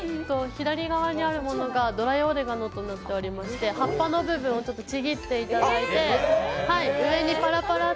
左側にあるものがドライオレガノとなっておりまして、葉っぱの部分をちぎっていただいて。